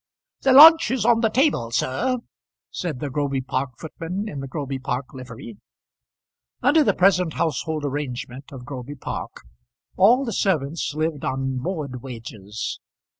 "The lunch is on the table, sir," said the Groby Park footman in the Groby Park livery. Under the present household arrangement of Groby Park all the servants lived on board wages.